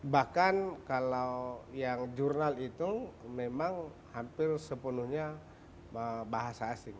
bahkan kalau yang jurnal itu memang hampir sepenuhnya bahasa asing